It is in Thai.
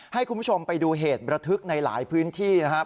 ให้คุณผู้ชมไปดูเหตุระทึกในหลายพื้นที่นะครับ